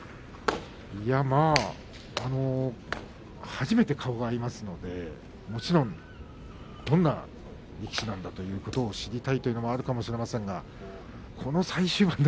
初めて顔が合いますのでどんな力士なんだということを知りたいということもあるかもしれませんこの最終盤で。